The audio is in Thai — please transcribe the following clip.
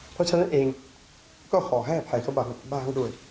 เพราะฉะนั้นเองก็ขอให้อภัยเขาบ้างด้วย